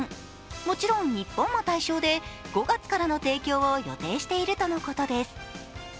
もちろん日本も対象で５月からの提供を予定しているとのことです。